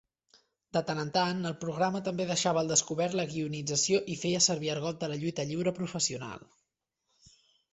De tant en tant, el programa també deixava al descobert la guionització i feia servir argot de la lluita lliure professional.